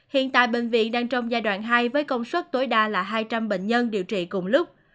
hiện tại bệnh viện đang trong giai đoạn hai với công suất tối đa là hai trăm linh bệnh nhân điều trị cùng lúc